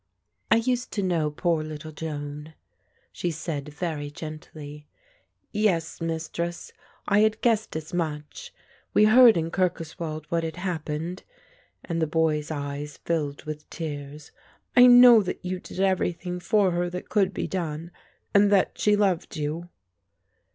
"I used to know poor little Joan," she said very gently. "Yes, Mistress, I had guessed as much; we heard in Kirkoswald what had happened," and the boy's eyes filled with tears. "I know that you did everything for her that could be done and that she loved you."